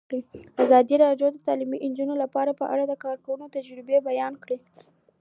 ازادي راډیو د تعلیمات د نجونو لپاره په اړه د کارګرانو تجربې بیان کړي.